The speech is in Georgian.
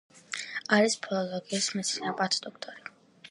არის ფილოლოგიის მეცნიერებათა დოქტორი.